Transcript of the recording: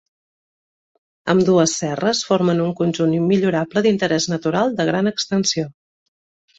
Ambdues serres formen un conjunt immillorable d’interès natural de gran extensió.